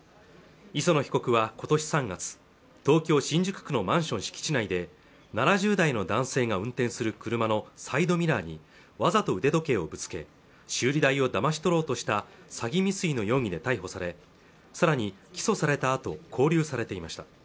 磯野被告は今年３月東京新宿区のマンション敷地内で７０代の男性が運転する車のサイドミラーにわざと腕時計をぶつけ修理代をだまし取ろうとした詐欺未遂の容疑で逮捕されさらに起訴されたあと勾留されていました